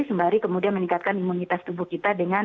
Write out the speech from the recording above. sembari kemudian meningkatkan imunitas tubuh kita dan juga kita